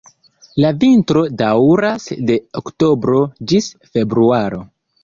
La vintro daŭras de oktobro ĝis februaro.